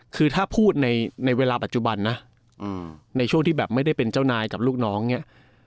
คือถ้าพูดในเวลาปัจจุบันนะในช่วงที่แบบไม่ได้เป็นเจ้านายกับลูกน้องเนี่ย